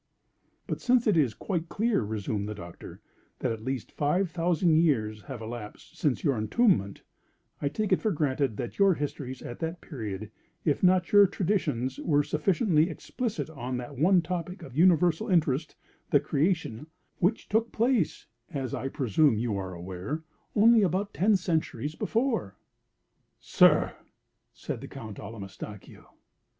"But since it is quite clear," resumed the Doctor, "that at least five thousand years have elapsed since your entombment, I take it for granted that your histories at that period, if not your traditions were sufficiently explicit on that one topic of universal interest, the Creation, which took place, as I presume you are aware, only about ten centuries before." "Sir!" said the Count Allamistakeo.